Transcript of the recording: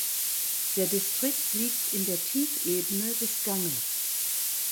Der Distrikt liegt in der Tiefebene des Ganges.